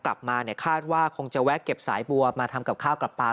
กลับมาเนี่ยคาดว่าคงจะแวะเก็บสายบัวมาทำกับข้าวกลับปลา